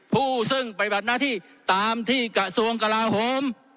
ผู้ซึ่งปฏิบัติหน้าที่ตามที่กระทรวงกลาโหม